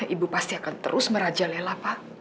ibu pasti akan terus merajalela pak